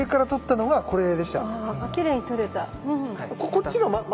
こっちが前？